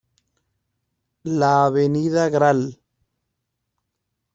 La Avenida Gral.